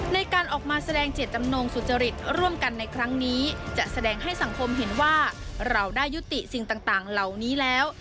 ในการออกมาแสดงเจตจำนงสุจริตร่วมกันในครั้งนี้จะแสดงให้สังคมเห็นว่าเราได้ยุติสิ่งต่างเหล่านี้แล้ว